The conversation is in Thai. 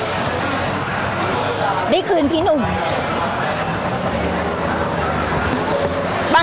พี่ตอบได้แค่นี้จริงค่ะ